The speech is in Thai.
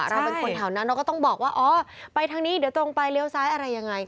เราเป็นคนแถวนั้นเราก็ต้องบอกว่าอ๋อไปทางนี้เดี๋ยวตรงไปเลี้ยวซ้ายอะไรยังไง